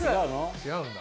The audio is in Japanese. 違うんだ。